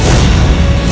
dan menangkan mereka